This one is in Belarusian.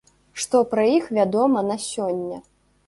Што пра іх вядома на сёння?